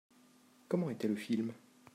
Comment était le film ?